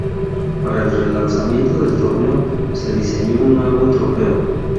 Para el relanzamiento del torneo, se diseñó un nuevo trofeo.